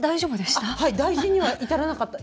大事には至らなかった。